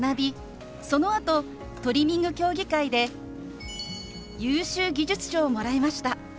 そのあとトリミング競技会で優秀技術賞をもらいました。